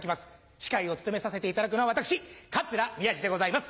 司会を務めさせていただくのは私桂宮治でございます。